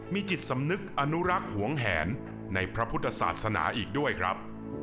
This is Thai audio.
มีจิตสำนึกอนุรักษ์หวงแหนในพระพุทธศาสนาอีกด้วยครับ